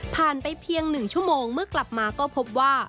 ไปเพียง๑ชั่วโมงเมื่อกลับมาก็พบว่า